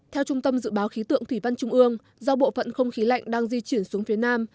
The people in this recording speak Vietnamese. theo trung tâm dự báo khí tượng thủy văn trung ương do bộ phận không khí lạnh đang di chuyển xuống phía nam